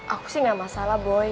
aku sih gak masalah boy